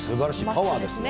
パワーですね。